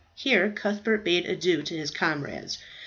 Here Cuthbert bade adieu to his comrades.